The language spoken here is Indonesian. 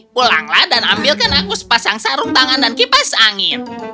pulanglah dan ambilkan aku sepasang sarung tangan dan kipas angin